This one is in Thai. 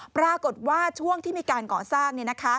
ปรากฏว่าช่วงที่มีการก่อสร้าง